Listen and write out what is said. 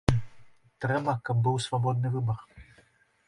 Трэба, каб быў свабодны выбар.